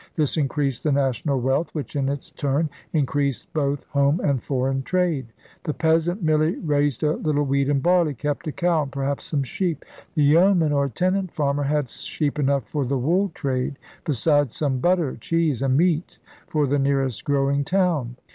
This increased the national wealth, which, in its turn, increased both home and foreign trade. The peasant merely raised a little wheat and barley, kept a cow, and perhaps some sheep. The yeoman or tenant farmer had sheep enough for the wool trade besides some butter, cheese, and meat for the nearest growing town.